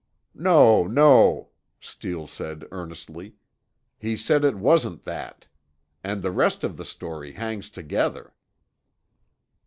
"No, no," Steele said earnestly, "he said it wasn't that. And the rest of the story hangs together."